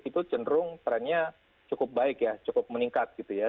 itu cenderung trennya cukup baik ya cukup meningkat gitu ya